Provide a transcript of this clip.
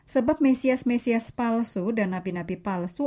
sebab mesias mesias palsu dan nabi nabi palsu